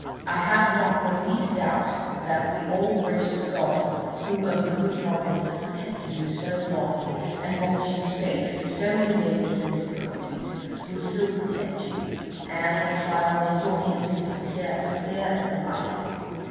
I have not the least doubt but that the all gracious God, who of his good providence has protected you so long, and brought you safe through so many dangers and difficulties, will still protect you, and at your trial make your innocence appear as clear as the light.